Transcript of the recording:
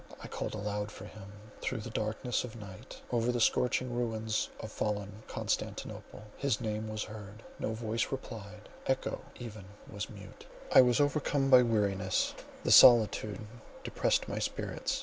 I called aloud for him—through the darkness of night, over the scorching ruins of fallen Constantinople, his name was heard; no voice replied—echo even was mute. I was overcome by weariness; the solitude depressed my spirits.